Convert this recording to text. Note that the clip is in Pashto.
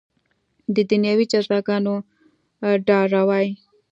د دنیوي جزاګانو ډاروي.